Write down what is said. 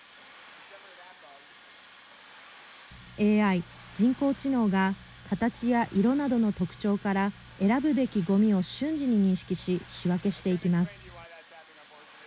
ＡＩ＝人工知能が形や色などの特徴から選ぶべきごみを瞬時に認識し仕分けしていきます。